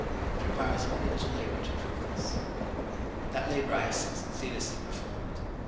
It requires only a little labour to prove this. That labour I have since zealously performed.